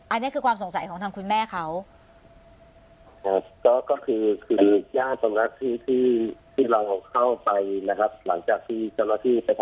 อันนี้คือความสนใจของทำคุณแม่เขาเอ่อก็คือคือที่เรามองเข้าไปนะฮะ